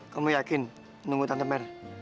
kamu yakin nunggu tante merah